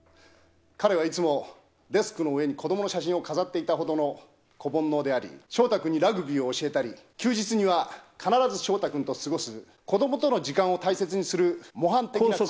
彼はいつもデスクの上に子供の写真を飾っていたほどの子煩悩であり翔太君にラグビーを教えたり休日には必ず翔太君と過ごす子供との時間を大切にする模範的な父。